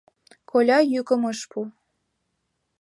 Коля йӱкым ыш пу.